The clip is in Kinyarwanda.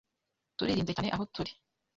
Turirinze cyane aho turi